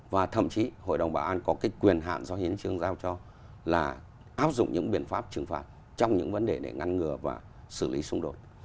và thậm chí hội đồng bảo an có cái quyền hạn do hiến trương giao cho là áp dụng những biện pháp trừng phạt trong những vấn đề để ngăn ngừa và xử lý xung đột